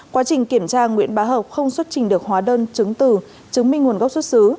quá trình kiểm tra nguyễn bá hợp không xuất trình được hóa đơn chứng từ chứng minh nguồn gốc xuất xứ